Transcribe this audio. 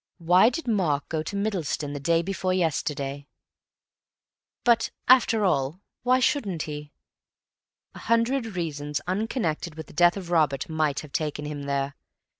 Why did Mark go to Middleston the day before yesterday? But, after all, why shouldn't he? A hundred reasons unconnected with the death of Robert might have taken him there.